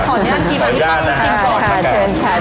ขออนุญาตคุณพี่ป้องคุณชิงก่อน